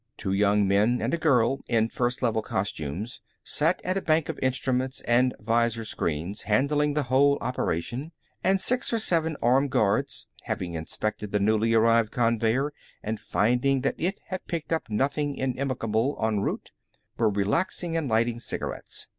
Two young men and a girl, in First Level costumes, sat at a bank of instruments and visor screens, handling the whole operation, and six or seven armed guards, having inspected the newly arrived conveyer and finding that it had picked up nothing inimical en route, were relaxing and lighting cigarettes.